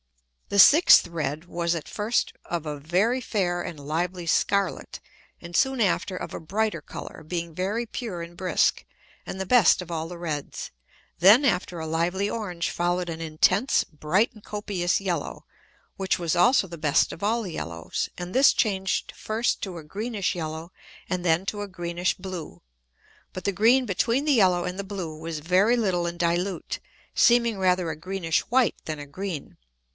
The sixth red was at first of a very fair and lively scarlet, and soon after of a brighter Colour, being very pure and brisk, and the best of all the reds. Then after a lively orange follow'd an intense bright and copious yellow, which was also the best of all the yellows, and this changed first to a greenish yellow, and then to a greenish blue; but the green between the yellow and the blue, was very little and dilute, seeming rather a greenish white than a green.